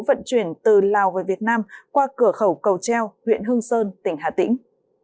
vận chuyển từ lào về việt nam qua cửa khẩu cầu treo huyện hương sơn tỉnh hà tĩnh